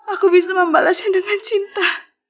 aku bisa membalasnya dengan cinta